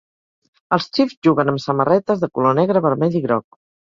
Els Chiefs juguen amb samarretes de colors negre, vermell i groc.